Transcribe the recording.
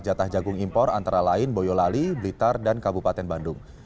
jatah jagung impor antara lain boyolali blitar dan kabupaten bandung